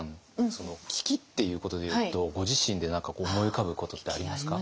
その危機っていうことでいうとご自身で何か思い浮かぶことってありますか？